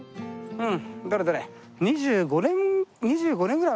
うん。